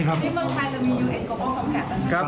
สวัสดีครับ